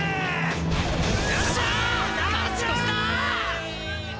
勝ち越しだ！